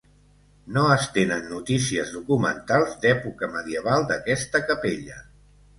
No es tenen notícies documentals d'època medieval d'aquesta capella.